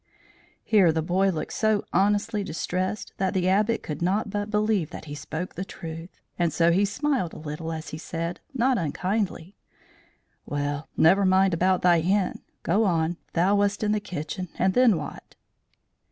Here the boy looked so honestly distressed that the Abbot could not but believe that he spoke the truth, and so he smiled a little as he said, not unkindly: "Well, never mind about thy hen, go on; thou wast in the kitchen, and then what?"